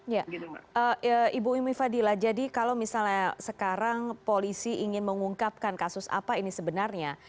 ya ibu umi fadila jadi kalau misalnya sekarang polisi ingin mengungkapkan kasus apa ini sebenarnya